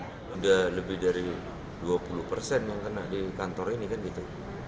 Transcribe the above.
sudah lebih dari dua puluh persen yang kena di kantor ini kan gitu